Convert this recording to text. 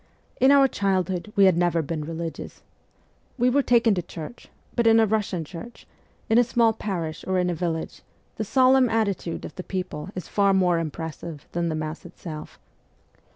In our childhood we had never been religious. We were taken to church ; but in a Russian church, in a small parish or in a village, the solemn attitude of the people is far more impressive than the Mass itself.